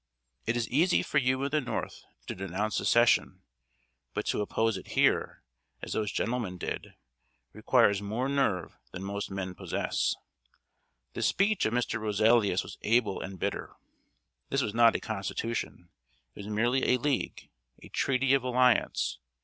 It is easy for you in the North to denounce Secession; but to oppose it here, as those gentlemen did, requires more nerve than most men possess. The speech of Mr. Roselius was able and bitter. This was not a constitution; it was merely a league a treaty of alliance.